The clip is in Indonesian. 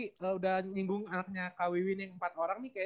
kalau udah nyinggung anaknya kak wiwin yang empat orang nih kayaknya